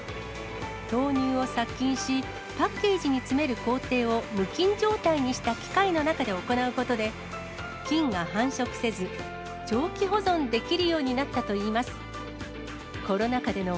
豆乳を殺菌し、パッケージに詰める工程を無菌状態にした機械の中で行うことで、菌が繁殖せず、長期保存できるようになったといいます。